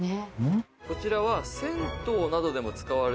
こちらは。